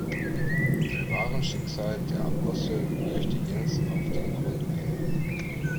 Dem wahren Schicksal der Apostel möchte Jens auf den Grund gehen.